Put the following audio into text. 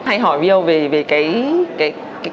hay hỏi veo về cái